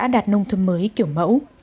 có năm xã đạt nông thuận mới kiểu mẫu